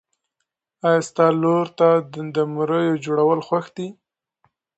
ایا ستا لور ته د مریو جوړول خوښ دي؟